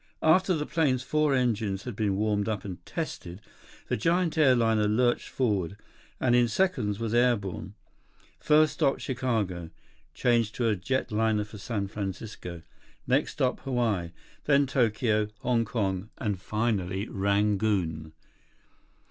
21 After the plane's four engines had been warmed up and tested, the giant airliner lurched forward, and in seconds was air borne. First stop Chicago. Change to a jetliner for San Francisco. Next stop Hawaii. Then Tokyo, Hong Kong, and finally Rangoon.